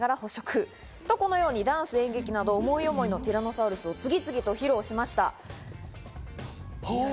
ダンスや演劇など思い思いのティラノサウルスを参加者が披露しました。